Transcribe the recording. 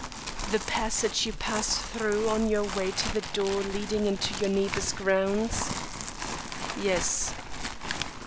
"The passage you pass through on your way to the door leading into your neighbour's grounds?" "Yes."